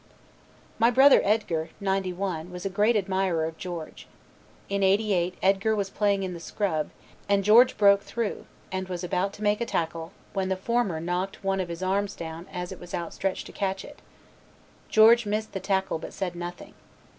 My brother Edgar '91 was a great admirer of George. In '88 Edgar was playing in the scrub, and George broke through and was about to make a tackle when the former knocked one of his arms down as it was outstretched to catch it. George missed the tackle but said nothing.